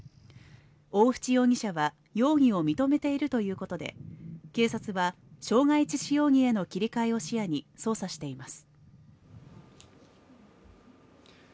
大渕容疑者は容疑を認めているということで警察は傷害致死容疑への切り替えを視野に捜査しています。